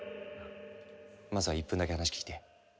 まずは１分だけ話聞いて。